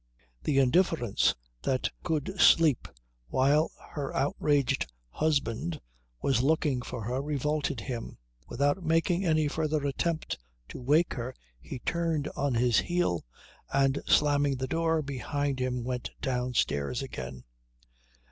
The indifference that could sleep while her outraged husband was looking for her revolted him. Without making any further attempt to wake her he turned on his heel, and slamming the door behind him went downstairs again.